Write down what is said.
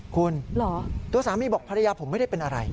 คุณตัวสามีบอกภรรยาผมไม่ได้เป็นอะไร